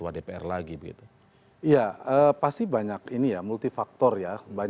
apakah ada masalah